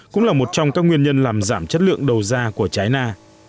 cũng là một trong các nguyên nhân làm giảm chất lượng đầu da của trái na